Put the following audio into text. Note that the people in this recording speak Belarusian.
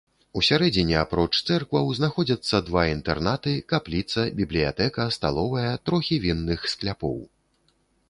Усярэдзіне апроч цэркваў знаходзяцца два інтэрнаты, капліца, бібліятэка, сталовая, трохі вінных скляпоў.